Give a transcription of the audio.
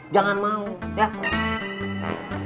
jangan mau yaudah